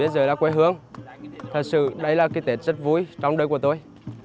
đó là quê hương thật sự đây là cái tết rất vui trong đời của tôi